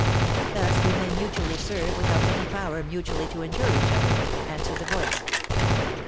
'Thus we may mutually serve without any power mutually to injure each other,' answered the voice.